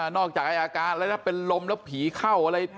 จากอาการแล้วถ้าเป็นลมแล้วผีเข้าอะไร